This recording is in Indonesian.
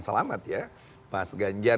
selamat ya pak sganjar